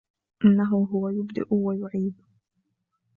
إنه هو يبدئ ويعيد